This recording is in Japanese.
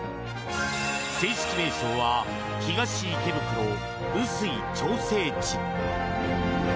正式名称は東池袋雨水調整池。